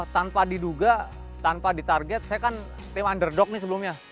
tanpa diduga tanpa ditarget saya kan tim underdog nih sebelumnya